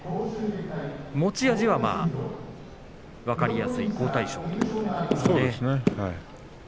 持ち味は分かりやすい、好対照ですね。